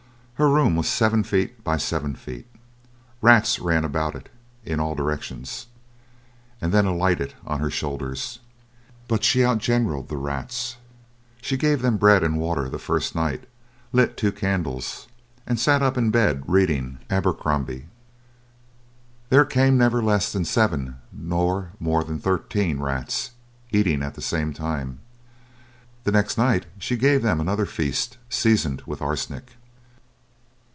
Her room was seven feet by seven feet. Rats ran about in it in all directions, and then alighted on her shoulders. But she outgeneraled the rats. She gave them bread and water the first night, lit two candles, and sat up in bed reading "Abercrombie." There came never less than seven nor more than thirteen rats eating at the same time. The next night she gave them another feast seasoned with arsenic.